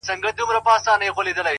دادی ټکنده غرمه ورباندي راغله!!